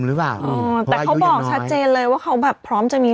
หรือเปล่าอ๋อแต่เขาบอกชัดเจนเลยว่าเขาแบบพร้อมจะมี